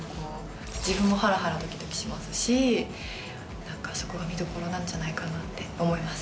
自分もハラハラドキドキしますし何かそこが見どころなんじゃないかなって思います。